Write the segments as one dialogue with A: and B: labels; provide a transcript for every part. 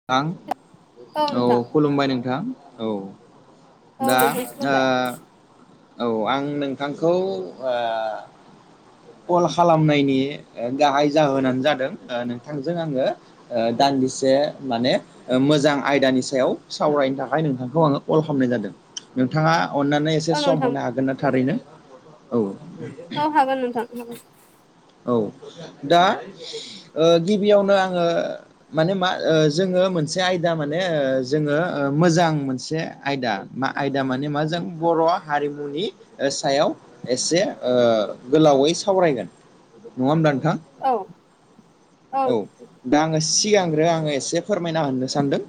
A: नोंथां औ खुलुमबाय नोंथां औ
B: औ
A: दा
B: नोंथां खुलुमबाय
A: औ आं नोंथांखौ कल खालामनायनि गाहाय जाहोनानो जादों नोंथांजों आङो दान्दिसे माने मोजां आयदानि सायाव सावरायनो थाखाय नोंथांखौ आङो कल खालामनाय जादों नोंथाङा अननानै एसे
B: औ
A: सम
B: नोंथां
A: हरनो हागोन ना थारैनो औ
B: औ हागोन नोंथां हागोन
A: औ दा गिबियावनो आङो माने मा जोङो मोनसे आयदा माने जोङो मोजां मोनसे आयदा मा आयदा माने मा जों बर' हारिमुनि सायाव एसे गोलावै सावरायगोना नङा होनबा नोंथां
B: औ
A: औ दा आङो सिगांग्रो आङो एसे फोरमायना होननो सानदों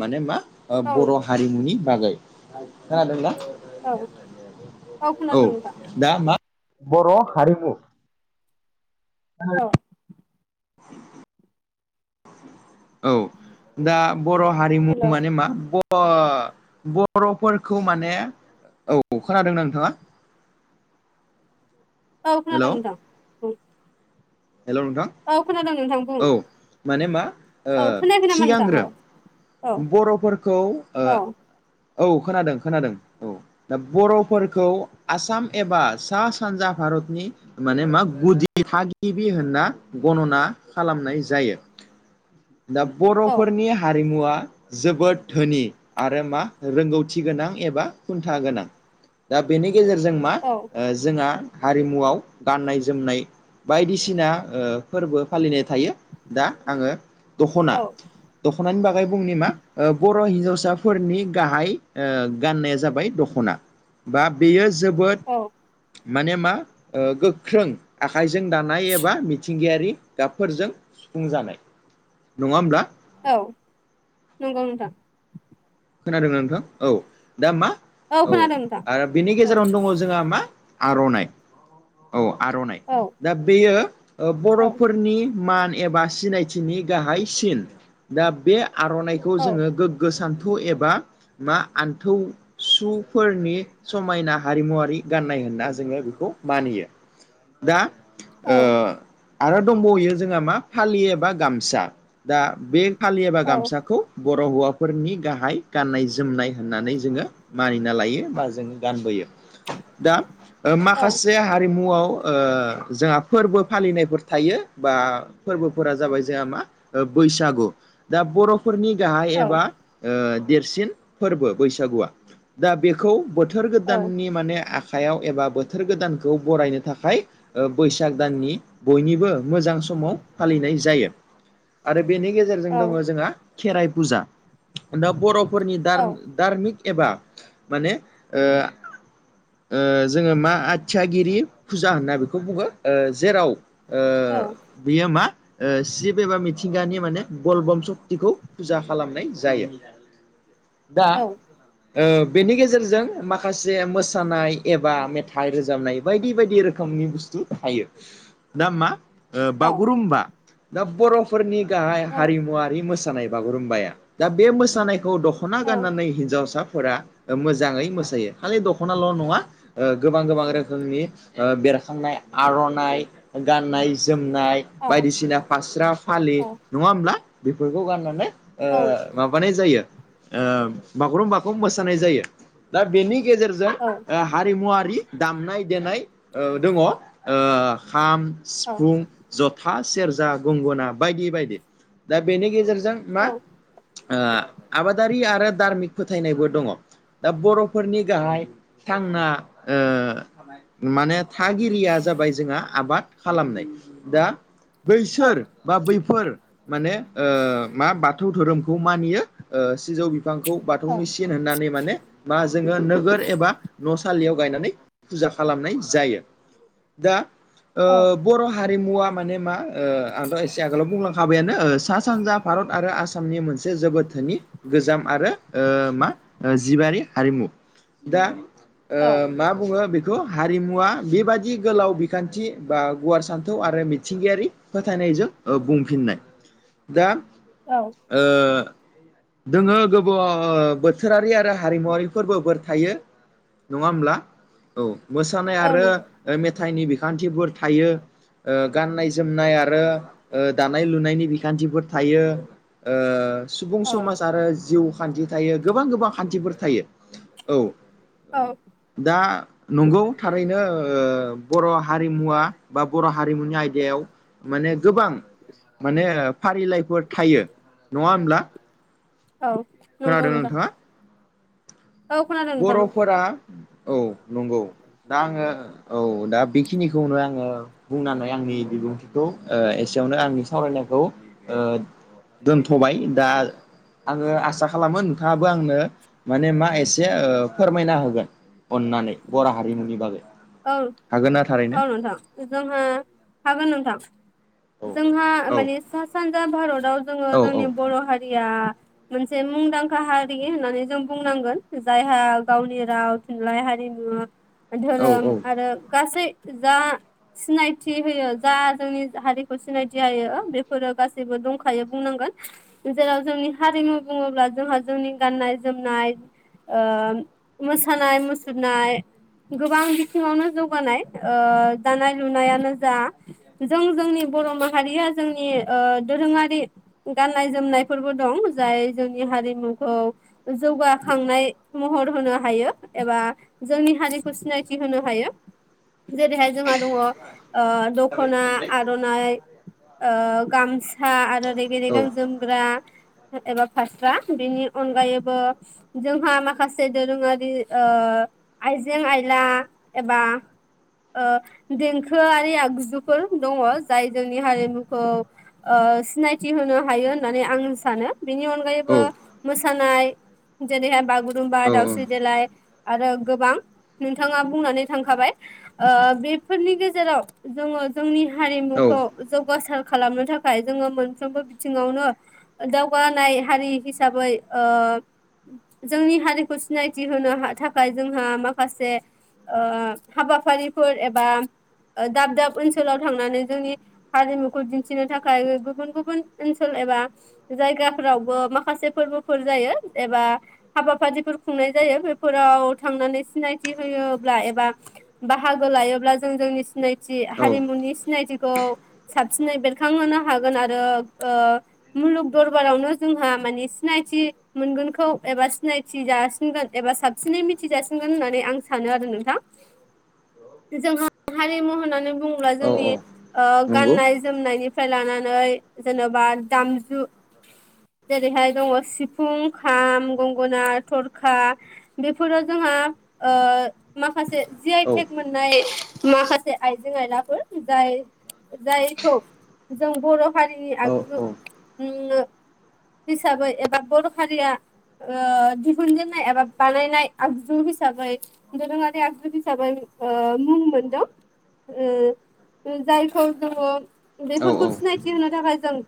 A: माने मा ओ
B: औ
A: बर'
B: नोंथां
A: हारिमुनि बागै खोनादों ना?
B: औ औ खोनादों नोंथां।
A: दा मा बर' हारिमुओ
B: औ
A: [unintelligible] औ दा बर' हारिमु
B: हेलौ
A: माने मा? अ बर'फोरखौ माने औ खोनादों नोंथाङा?
B: अ‌ औ खोनादों नोंथां। बुं
A: हेल' नोंथां
B: औ खोनादों नोंथां बुं
A: औ माने मा
B: औ खोनायाखै नामा नोंथां औ
A: सिगांग्रो
B: औ
A: बर'फोरखौ ओ
B: औ
A: औ खोनादों खोनादों औ। दा बर'फोरखौ आसाम एबा सा सानजा भारतनि मा माने मा गुदि थागिबि होनना गनना खालामनाय जायो। दा
B: औ
A: बर'फोरनि हारिमुवा जोबोद धोनि आरो मा रोंगौथि गोनां एबा खुन्था गोनांओ दा बेनि गेजेरजों मा
B: औ
A: जोंहा हारिमुआव गाननाय-जोमनाय। बादिसिना फोरबो फालिनाय थायो दा आङो। दखना
B: औ
A: दखनानि बा बुंनि मा बर' हिनजावसाफोरनि गाहाइ गाननाया जाबाय दख'ना हो बा बेयो जोबोद
B: औ।
A: माने मा ओ ओ गोख्रों आखाइजों दानाय एबा मिथिंगायारि गाबफोरजों अ सुफुं जानाय नङा होमब्ला।
B: औ नंगौ नोंथां।
A: खोनादों नोंथां औ दा मा औ
B: खोनादों नोंथां
A: आरो बेनि
B: औ
A: गेजेरावनो दङ जोंहा मा। आर'नाइ औ आर'नाइ दा
B: औ।
A: दा बेयो
B: औ
A: बर'फोरनि मान ए एबा सिनायथिनि गाहाय सिन दा बे आर'नाइखौ
B: औ
A: जोङो गोग्गो सान थौ एबा मा आन्थौ सुफोरनि अ समायना हारिमुवरारि गाननाय होनना जोङो बेखौ मानियो। दा
B: औ
A: ओ आरो दंबावहोयो जोंहा मा फालियो एबा गामसा दा बे फालि एबा
B: औ
A: गामसाखौओ बर' हौवाफोरनि गाहाइ गाननाय-जोमनाय होननानै जोङो मानिना लायो बा जोङो गानबोयो। दा
B: औ
A: माखासे ओ हारिमुआव ओ जोंहा फोरबो फालिनायफोर थायो बा ओ फोरबोफोरा जाबाय जोंहा मा बैसागु दा बर' फोरनि गाहाइ
B: औ
A: एबा देरसिन फोरबो बैसागुओ दा बेखौ बोथोर
B: औ
A: गोदाननि माने आखा खायाव एबा बोथोर गोदानखौ बरायनो थाखाय बैसाग दाननि बयनिबो मोजां समाव फालिनाय जायो आरो बेनि गेजेरजों दङ
B: औ
A: जोंहा खेराइ फुजा। दा बर'फोरनि धारमिक एबा माने ओ बे ओ जोङो मा आथियागिरि फुजा होनना बेखौ बुङो जेरावो ओ बेयो मा शिब एबा मिथिंगानि माने गलबम सक्तिखौ फुजा खालामनायो। जायो दा ओ बेनि गेजेरजों माखासे मोसानाय एबा मेथाइ रोजाबनाय बायदि बायदि रोखोमनि बुस्थु थायो। दा मा ओ बागुरुम्बा दा बर'फोरनि गाहाय हारिमुवारि मोसानाय बागुरुम्बाया। दा बे मोसानायखौ दख'ना गाननानै हिनजावसाफोरा मोजाङै मोसायो खालि दख'नाल' नङा गोबां गोबां रोखोमनि ओ बेरखांनाय आर'नाइ गाननाय जोमनाय। बायदिसिना फास्रा फालि नङा होमब्ला बेफोरखौ गाननानै ओ माबानाय जायो ओ बागुरुम्बाखौ मोसानाय जायो। दा बेनि गेजेरजों
B: औ।
A: ओ हारिमुवारि दामनाय देनाय दङ खाम
B: औ
A: सिफुं, जथा, सेरजा, गंगना बायदि बायदि। दा बेनि गेजेरजों
B: औ
A: मा आ आबादारि आरो दार्मिक फोथायनायबो दङ। दा बर'फोरनि गाहाय थांना माने थागिरिया जाबाय जोंहा आबाद खालामनाय। दा
B: औ
A: बैसोर बा बैफोर माने मा बाथौ धोरोमखौ खौ मानियो सिजौ बि खौ
B: औ
A: बाथौनि सिन होननानै माने बा जोङो नोगोर एबा न थालियाव गायनानै फुजा खालामनाय जायो। दा
B: औ
A: बर' हारिमुवा माने मा। ओ आंथ' एसे आगोलाव बुंलांखाबायानो सा सानजा भारत आरो आसामनि मोनसे सासे जोबोथोनि गोजाम आरो मा जिबारि हारिमु। दा
B: औ
A: मा बुङो बेखौ। ओ बे खौ हारिमुवा बेबादि गोलाव बिखान्थि बा गुवार सान्थौ आरो मिथिंगायारि फोथायनायजों बुंफिननाय दा
B: औ।
A: ओ। दोङो गोबाव ओ बोथोरारि आरो हारिमुवारिफोर थायो। नङा होमब्ला औ मोसानाय
B: औ
A: आरो
B: नंगौ
A: मेथाइनि बिखान्थिफोर थायो। ओ गाननाय जोमनाय आरो दानाय लुनायनि बिखान्थिफोर थायो। ओ। सुबुं
B: औ
A: समाज आरो जिउ खान्थि थायो गोबां गोबां खान्थिफोर थायो। औ।
B: औ।
A: दा नंगौ थारैनो बर' हारिमुवा बा बर' हारिमुनि आयदायाव माने गोबां। माने फारिलाइफोर थायो नङा होमब्ला।
B: औ। नंगौ
A: खोनादों
B: नोंथां
A: नोंथाङा।
B: औ खोनादों नोंथां नंगौ
A: बर'फोरा औ नंगौ दा आङो औ दा बेखिनिखौनो आङो बुंनानै आंनि बिबुंथिखौ ओ एसेयावनो आंनि सावरायनायखौ ओ दोनथ'बाय दा आङो आसा खालामो नोंथाङाबो आंनो माने मा एसे से फोरमायना होगोन अननानै बर' हारिमुनि बागै।
B: औ
A: हागोन ना थारैनो
B: औ नोंथां जोंहा हागोन नोंथां।
A: औ
B: जोंहा
A: औ
B: माने सा सानजा भारताव जोङो
A: औ औ
B: जोंनि बर' हारिया मोनसे मुंदांखा हारि होननानै जों बुंनांगोन जायहा गावनि राव थुनलाइ हारिमु
A: औ
B: धोरोम
A: औ
B: आरो गासै जा सिनायथि होयो जा जोंनि हारिखौ सिनायथि होयो बेफोरो गासैबो दंखायो बुंनांगोन। जेराव जोंनि हारिमु बुङोब्ला जोंहा जोंनि गाननाय जोमनाय। ओ मोसानाय मुसुरनाय गोबां सिङावनो जौगानाय दानाय लुनायानो जा जों जोंनि बर' माहारिया जोंनि दोरोङारि। गाननाय-जोमनायफोरबो दं जाय जोंनि हारिमुखौ जौगाखांनाय महर होनो हायो एबा जोंनि हारिखौ सिनायथि होनो हा जेरैहाय जोंहा दङ दखना,
A: औ
B: आर'नाइ गामसा आरो रेगे-रेगां जोमग्रा एबा फास्रा बेनि अनगायैबो। जोंहा माखासे दोरोङारि आइजें आयला एबा देंखोयारि आगजुफोर दङ जाय जोंनि हारिमुखौ सिनायथि होनो हायो होननानै आं सानो। बेनि अनगायैबो मोसानाय जेरैहाय बागुरुम्बा दाउस्रि देलायो आरो गोबां नोंथाङा बुंनानै थांखाबाय ओ बेफोरनि गेजेरावो जोङो जोंनि
A: औ
B: हारिमुखौ जौगासार खालामनो थाखाय जोङो मोनफ्रोमबो बिथिङावनो दावगानाय हारि हिसाबै ओन जोंनि हारिखौ सिनायथि होनो थाखाय जोंहा माखासे ओ हाबाफारिफोर एबा दाब दाब ओनसोलाव थांनानै जोंनिओ हारिमुखौ दिन्थिनो थाखाय गुबुन गुबुन ओनसोल एबा ओ जायगाफोरावबो ए माखासे फोरबोफोर जायो एबा हाबाफारिफोर खुंनाय जायो बेफोराव थांनानै सिनायथि होयो। ब्ला एबा बाहागो लायोब्ला जों जोंनि सिनायथि
A: औ
B: हारिमुनि सिनायथिखौओ साबसिनै बेरखांहोनो हागोन आरो ओ ओ मुलुग दरबारावनो जोंहा माने सिनायथि मोनगोनखौ एबा सिनायथि जासिनगोन एबा साबसिनै मिथिज जासिनगोन होननानै आं सानो आरो। नोंथां जोंहा हारिमु होननानै बुङोब्ला
A: औ
B: जोंनि
A: औ नंगौ
B: गाननाय-जोमनायनिफ्राय लानानै जेनेबा दामजु जेरैहाय दङ सिफुं, खाम, गंगोन, थरखा बेफोरो जोंहायो माखासे जि आइ
A: औ
B: टेक मोननाय माखासे आइजें आयलाफोर जायो जायखौ जों बर' हारिनि
A: औ
B: आगजु
A: औ
B: ओ हिसाबै एबा बर' हारिया ओ आ दिफुनजेननाय एबा बानायनाय आगजु हिसाबैबो दोरोङारि आगजु हिसाबै ओ मुं मोनदों। जायखौ जोङो बेफोरखौ
A: औ
B: सिनायथि होनो थाखाय जों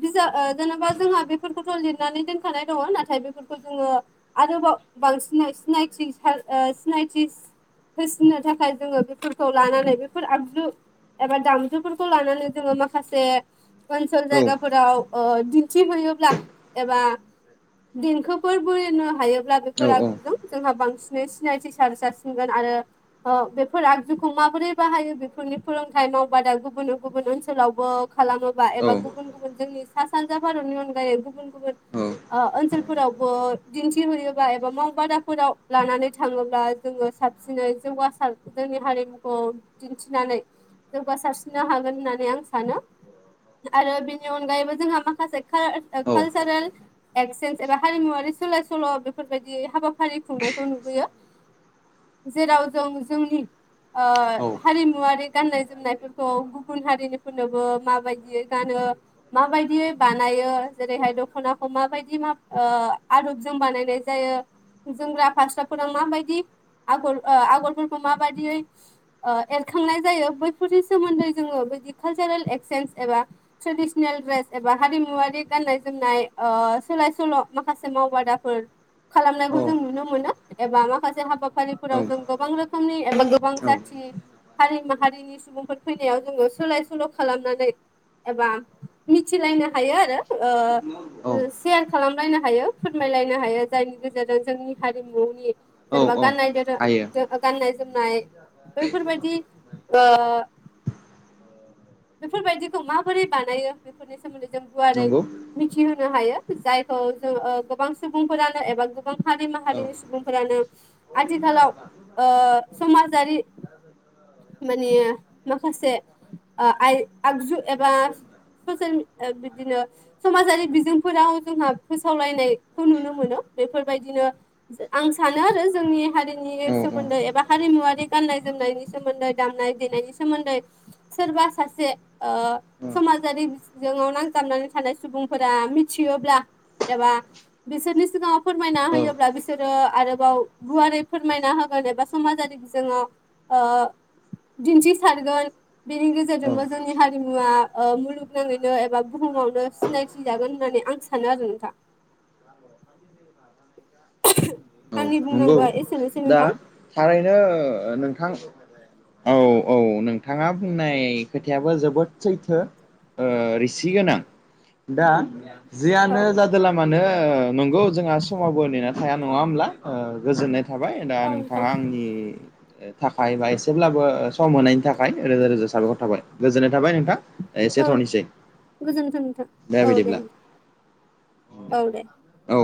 B: बिजाब जेनेबा जोंहा बेफोरखौथ' लिरनानै दोनखानाय दङ नाथाय बेफोरखौ जोङो आरोबाव बांसिन सिनायथि सा ओ सिनायथिसो होसिननो थाखाय जोङो बेफोरखौ लानानै बेफोर आगजु एबा दामजुफोरखौ लानानै जोङो माखासे ओनसोल
A: औ
B: जायगाफोराव ओ दिन्थिहैयोब्ला एबा देंखोफोर बोयोनो हायो। अब्ला बेफोर
A: औ औ
B: आगजुजों जोंहा बांसिनै सिनायथि सार जारसिनगोन आरो। बेफोर आगजुखौ माबोरै बाहायो बेफोरनि फोरोंथायाइ मावबा दा गुबुननो गुबुन ओनसोलावो खालामोबा
A: औ
B: एबा गुबुन गुबुन जोंनि सा सानजा भारतनि अनगायै गुबुन गुबुन। आ ओनसोलफोरावबो दिन्थिहरयोबा एबा मावबादाफोरावो लानानै थाङोब्ला जोङो साबसिनै जौगासार जोंनि हारिमुखौ दिन्थिनानै नो जौगासारसिननो हागोन होननानै आं सानो आरो बिनि अनगायैबो जोंहा माखासे कालचार एक्चन एबा हारिमुवारि सोलाय सोल' बेफोरबादि हाबाफारि ओ खुंनायखौ नुबोयो जेराव जों जोंनि आ हारिमुवारि। गाननाय जोमनायफोरखौ गुबुन हारिनिफोरनोबो माबायदि गानो। माबायदियै बानायो जेरैहाय दख'नाखौ माबादि मा आदबजों बानायनाय जायो। जोमग्रा फास्राफोरा माबायदि आगर आगरफोरखौ माबादियै एरखांनाय जायो बैफोरनि सोमोन्दै जोङो बिदि कालसारेल एक्सेन्ज एबा ट्रेदिसनेल ड्रेस एबा हारिमुवरारि गाननाय जोमनाय आ सोलाय सोल' माखासे मावबादा फोर खालामनायखौ जों नुनो मोनो एबा माखासे
A: औ
B: हाबाफारिफोराव जों गोबां रोखोमनि एबा गोबां जाथि हारि माहारिनि [unintelligible] सुबुंफोर फैनायाव जोङो सोलाय सोल' खालामनानै। एबा मिथिलायनो हायो आरो ओ
A: औ
B: सेयार खालामलायनो हायो फोरमायलायनो हायो जायनि गेजेरजों जोंनि हारिमुनि
A: औ
B: जेनेबा गाननाय
A: हायो
B: गाननाय-जोमनाय बैफोरबादि ओ बेफोरबायदिखौ माबोरै बानायो बेफोरनि सोमोन्दै जों गुवारै
A: नंगौ
B: मिथिहोनो हायो जायखौ जों गोबां सुबुंफोरानो एबा गोबां हारि
A: औ
B: माहारिनि सुबुंफोरानो आथिखालाव ओ समाजारि माने माखासे ओ आइ आगजु एबा खौ जों ओ बिदिनो ओ समाजारि बिजोंफोराव जोंहा फोसावलायनायखौ नुनो मोनो बेफोरबादिनो आं सानो आरो जोंनि हारिनि
A: औ
B: सोमोन्दै एबा हारिमुवरारि गानाय-जोमनायनि सोमोन्दै। दामनाय-देनायनि सोमोन्दै सोरबा सासे ओ
A: औ
B: समाजारि बिजोङाव नांजाबनानै थानाय सुबुंफोरा मिथियोब्ला एबा बिसोरनि सिगाङाव फोरमायना होयोब्ला बिसोरो सोरो आरोबाव गुवारै फोरमायना होगोन एबा समाजारि बिजोङाव ओ दिन्थि सारगोन बेनि गेजेरजोंबो जोंनि हारिमुवा ओ मुलुगनाङैनो एबा बुहुमावनो सिनायथि जागोन होननानै आं सानो आरो नोंथां।
A: [inaudible] ओ औ
B: आंनि
A: नंगौ
B: बुंनांगौआ एसेनोसै
A: दा
B: नोंथां
A: थारैनो नोंथां औ औ नोंथाङा बुंनाय खोथायाबो जोबोद सैथो। आ रिसि गोनां दा
B: औ
A: जियानो जादोला मानो नंगौ जोंहा समावबो नेनानै थाया नङा होमब्ला ओ गोजोननाय थाबाय दा
B: औ नोंथां
A: नोंथाङा आंनिआ थाखाय बा एसेब्लाबो सम होनायनि थाखाय रोजा रोजा साबायख'र थाबाय गोजोननाय थाबाय नोंथां। एसे
B: औ
A: एसेथ'निसै।
B: गोजोन्थों नोंथां औ दे औ दे।
A: औ